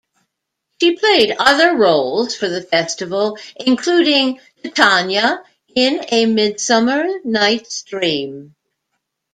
She played other roles for the Festival, including Titania in "A Midsummer Night's Dream".